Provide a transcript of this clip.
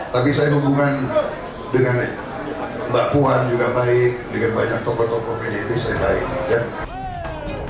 tapi saya hubungan dengan mbak puan juga baik dengan banyak tokoh tokoh pdip saya baik